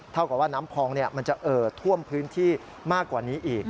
เท่ากับว่าน้ำพองมันจะเอ่อท่วมพื้นที่มากกว่านี้อีก